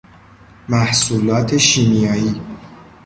محصولات شیمیایی